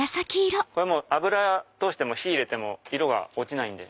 油通しても火入れても色が落ちないんで。